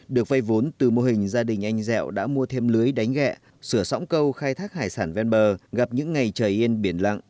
được vay vốn từ mô hình gia đình anh dẹo đã mua thêm lưới đánh gẹ sửa sõng câu khai thác hải sản ven bờ gặp những ngày trời yên biển lặng